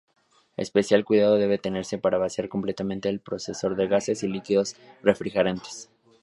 Especial cuidado debe tenerse para vaciar completamente el compresor de gases y líquidos refrigerantes.